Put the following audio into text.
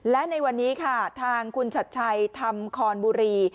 และในวันนี้ค่ะทางคุณชัดชัยธรรมคอนบุรี